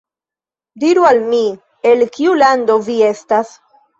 Diru al mi, el kiu lando vi estas.